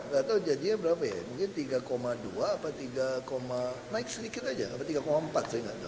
gak tau jadinya berapa ya mungkin tiga dua apa tiga empat saya gak tahu